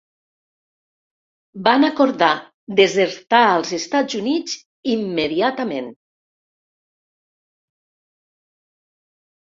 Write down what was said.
Van acordar desertar als Estats Units immediatament.